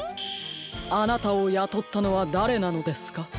あなたをやとったのはだれなのですか？